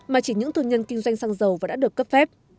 mà chỉ những thương nhân kinh doanh xăng dầu và đã được cấp phép